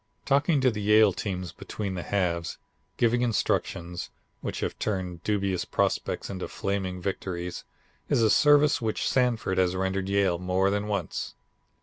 Talking to the Yale teams between the halves, giving instructions, which have turned dubious prospects into flaming victories, is a service which Sanford has rendered Yale more than once.